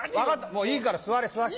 もういいから座れ座れ。